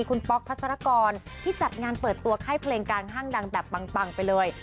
คุณป๊อกพัศรกรที่จัดงานเปิดตัวค่ายเพลงกลางห้างดังแบบปังไปเลย